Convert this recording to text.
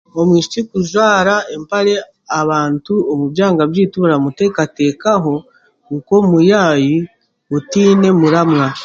Omwisiki kujwara empare abantu omu byanga byaitu baramutekatekaho nk'omuyaayi otiine muramwa.